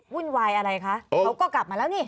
วุ่นวายอะไรคะเขาก็กลับมาแล้วนี่